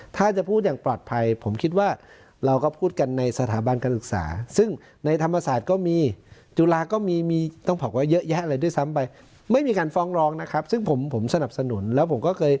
ถ้าจะพูดอย่างปลอดภัยผมคิดว่าเราก็พูดกันในสถาบันกศึกษาซึ่งในธรรมสาสก็มีสมบูรณสาสก็มีไม่มีการฟองรองนะครับซึ่งผมผมสนับสนุนแล้วผม